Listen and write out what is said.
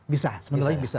bisa sebenarnya bisa